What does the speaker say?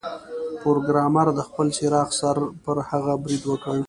پروګرامر د خپل څراغ سره پر هغه برید وکړ